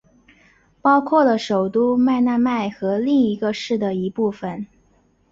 包括了首都麦纳麦和另一个市的一部份。